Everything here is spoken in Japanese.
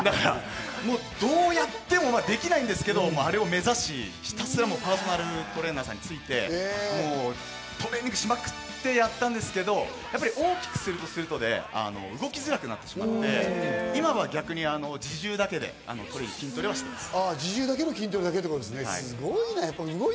どうやってもできないんですけど、あれを目指し、ひたすらパーソナルトレーナーさんについてトレーニングしまくってやったんですけど、やっぱり大きくすると動きづらくなってしまうので、今は逆に、自重だけで筋トレしています。